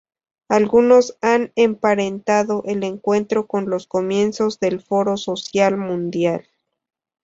Algunos han emparentado el encuentro con los comienzos del Foro Social Mundial.